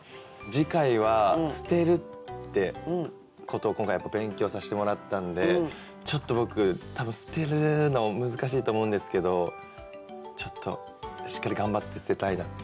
次回は捨てるってことを今回勉強さしてもらったんでちょっと僕多分捨てるの難しいと思うんですけどちょっとしっかり頑張って捨てたいなって。